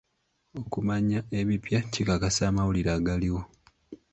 Okumanya ebipya kikakasa amawulire agaliwo.